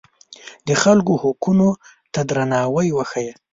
د خلکو حقونو ته درناوی وښیه.